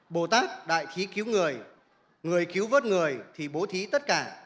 bồ tát đại thí cứu người người cứu vớt người thì bố thí tất cả